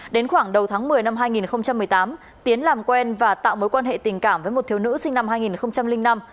đến khoảng đầu tháng một mươi năm hai nghìn một mươi tám tiến làm quen và tạo mối quan hệ tình cảm với một thiếu nữ sinh năm hai nghìn năm